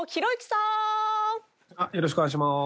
よろしくお願いします。